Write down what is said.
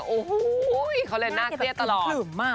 อู๊ยเขาเล่นหน้าเชรียตลอด